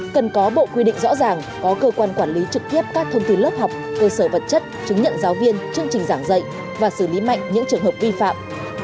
cần có bộ quy định rõ ràng có cơ quan quản lý trực tiếp các thông tin lớp học cơ sở vật chất chứng nhận giáo viên chương trình giảng dạy và xử lý mạnh những trường hợp vi phạm